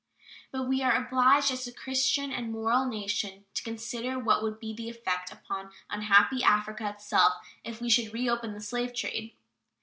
But we are obliged as a Christian and moral nation to consider what would be the effect upon unhappy Africa itself if we should reopen the slave trade.